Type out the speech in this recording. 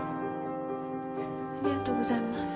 ありがとうございます。